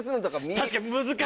確かに。